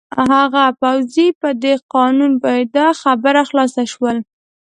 هغه پوځي په دې قانون پوهېده، خبره خلاصه شول.